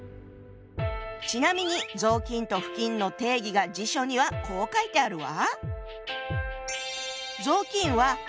ちなみに「雑巾」と「布巾」の定義が辞書にはこう書いてあるわ。